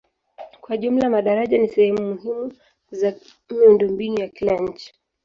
Kwa jumla madaraja ni sehemu muhimu za miundombinu ya kila nchi.